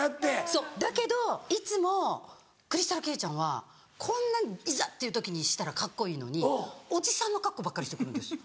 そうだけどいつもＣｒｙｓｔａｌＫａｙちゃんはこんなにいざっていう時にしたらカッコいいのにおじさんの格好ばっかりしてくるんですよ。